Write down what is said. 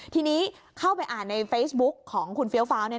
ทีนี้เข้าไปอ่านในเฟซบุ๊กของคุณเฟี้ยวฟ้าว